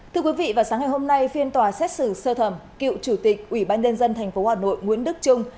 thưa quý vị vào sáng ngày hôm nay phiên tòa xét xử sơ thẩm cựu chủ tịch ubnd tp hà nội nguyễn đức trung